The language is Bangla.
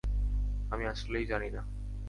আমি আসলেই জানি না।